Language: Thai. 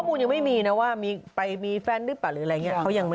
ข้อมูลยังไม่มีไปมีแฟนหรือเปล่า